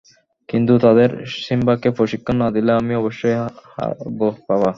কিন্তু, তাদের সিম্বাকে প্রশিক্ষণ না দিলে আমি অবশ্যই হারব, বাবা।